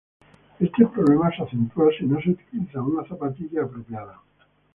Este problema se acentúa si no se utiliza una zapatilla apropiada.